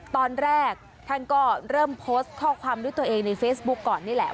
ตอนแรกท่านก็เริ่มโพสต์ข้อความด้วยตัวเองในเฟซบุ๊กก่อนนี่แหละ